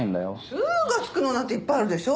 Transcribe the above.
酢が付くのなんていっぱいあるでしょ？